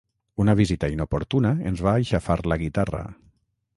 Una visita inoportuna ens va aixafar la guitarra.